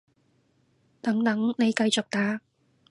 等等，你繼續打